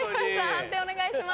判定お願いします。